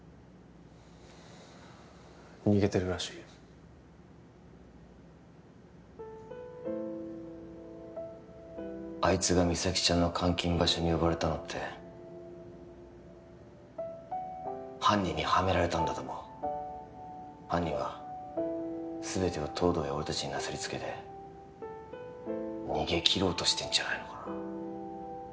逃げてるらしいあいつが実咲ちゃんの監禁場所に呼ばれたのって犯人にはめられたんだと思う犯人はすべてを東堂や俺達になすりつけて逃げきろうとしてんじゃないのかな